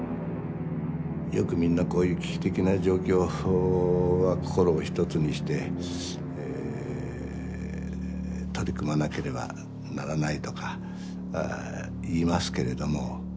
よくみんなこういう危機的な状況は心を一つにしてえ取り組まなければならないとか言いますけれども。